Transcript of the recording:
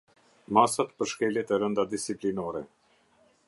Masat për shkeljet e rënda disiplinore.